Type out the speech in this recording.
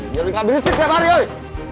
biar dia gak berisik tiap hari hoi